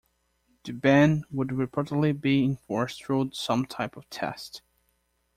The ban would reportedly be enforced through some type of test.